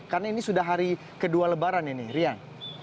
karena ini sudah hari kedua lebaran ini rian